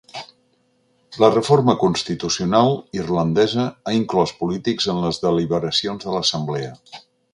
La reforma constitucional irlandesa ha inclòs polítics en les deliberacions de l’assemblea.